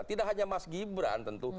tidak hanya mas gibran tentu